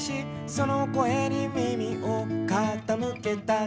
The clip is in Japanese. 「その声に耳をかたむけた」